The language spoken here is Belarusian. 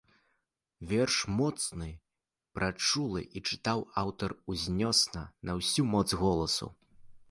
Верш моцны, прачулы, і чытаў аўтар узнёсла, на ўсю моц голасу.